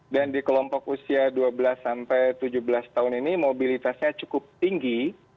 dan di kelompok usia dua belas sampai tujuh belas tahun ini mobilitasnya cukup tinggi